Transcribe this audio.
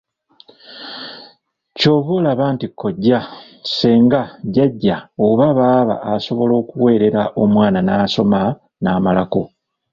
Ky’ova olaba nti kojja, ssenga, jjajja oba baaba asobola okuweerera omwana n’asoma n’amalako.